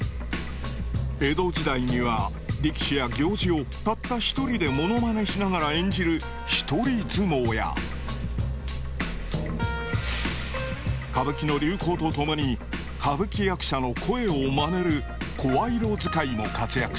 江戸時代には力士や行司をたった一人でモノマネしながら演じるひとり相撲や歌舞伎の流行とともに歌舞伎役者の声をまねる声色遣いも活躍した。